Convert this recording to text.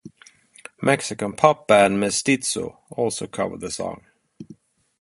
Mexican pop band Mestizzo also covered the song.